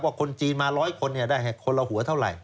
คนจีนมา๑๐๐คนได้คนละหัวเท่าไหร